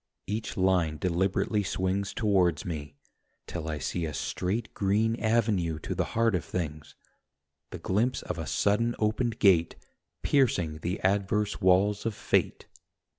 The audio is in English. Each line deliberately swings Towards me, till I see a straight Green avenue to the heart of things, The glimpse of a sudden opened gate Piercing the adverse walls of fate